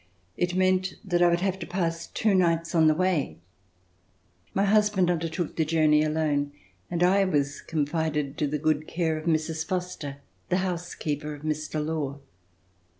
It meant that I would have to pass two nights on the way. My husband undertook the journey alone, and I was confided to the good care of Mrs. Foster, the housekeeper of Mr. Law.